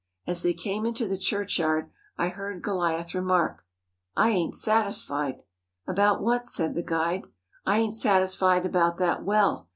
As they came into the churchyard I heard Goliath remark: "I ain't satisfied." "About what?" said the guide. "I ain't satisfied about that well.